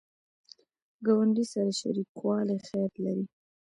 ګاونډي سره شریکوالی خیر لري